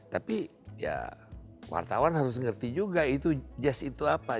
tapi ya wartawan harus ngerti juga itu jazz itu apa